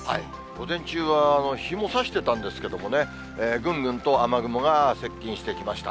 午前中は日もさしてたんですけどね、ぐんぐんと雨雲が接近してきました。